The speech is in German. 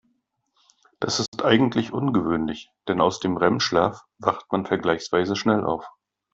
Das ist eigentlich ungewöhnlich, denn aus dem REM-Schlaf wacht man vergleichsweise schnell auf.